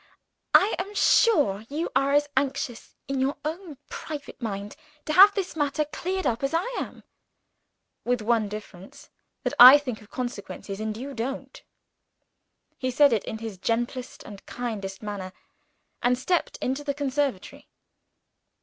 I am sure you are as anxious, in your own private mind, to have this matter cleared up as I am." "With one difference that I think of consequences, and you don't." He said it, in his gentlest and kindest manner, and stepped into the conservatory.